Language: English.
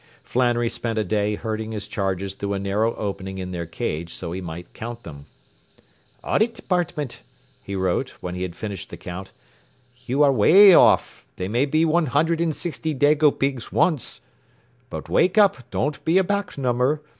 Flannery spent a day herding his charges through a narrow opening in their cage so that he might count them. “Audit Dept.” he wrote, when he had finished the count, “you are way off there may be was one hundred and sixty dago pigs once, but wake up don't be a back number.